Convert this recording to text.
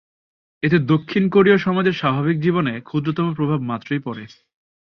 এতে দক্ষিণ কোরীয় সমাজের স্বাভাবিক জীবনে ক্ষুদ্রতম প্রভাব মাত্রই পড়ে।